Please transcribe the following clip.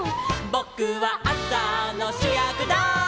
「ぼくはあさのしゅやくだい」